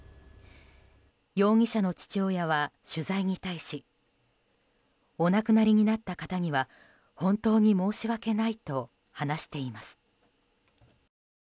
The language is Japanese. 容疑者の父親は取材に対しお亡くなりになった方には本当に申し訳ないと話しています。